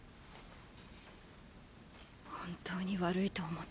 本当に悪いと思ってる。